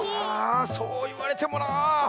そういわれてもな。